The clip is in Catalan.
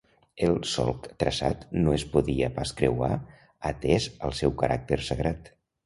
El solc traçat no es podia pas creuar atès al seu caràcter sagrat.